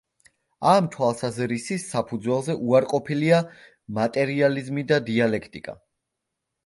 ამ თვალსაზრისის საფუძველზე უარყოფილია მატერიალიზმი და დიალექტიკა.